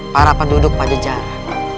para penduduk pada jara